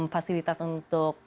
fasilitas untuk cash out